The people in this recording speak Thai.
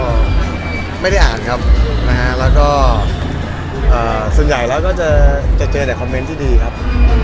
ก็ไม่ได้อ่านครับนะฮะแล้วก็ส่วนใหญ่แล้วก็จะเจอแต่คอมเมนต์ที่ดีครับ